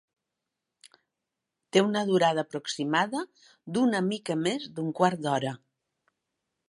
Té una durada aproximada d’una mica més d'un quart d'hora.